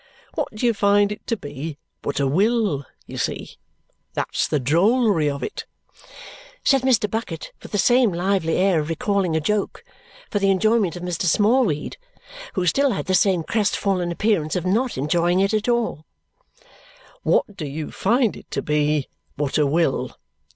what do you find it to be but a will, you see. That's the drollery of it," said Mr. Bucket with the same lively air of recalling a joke for the enjoyment of Mr. Smallweed, who still had the same crest fallen appearance of not enjoying it at all; "what do you find it to be but a will?"